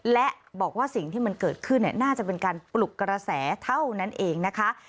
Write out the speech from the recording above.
และบอกว่าสิ่งที่มันเกิดขึ้นน่าจะเป็นการปลุกกระแสเท่านั้นเองนะคะ